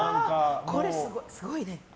これ、すごいね。